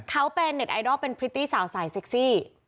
เขาเป็นเน็ตไอดอลเป็นพริตตี้สาวสายเซ็กซี่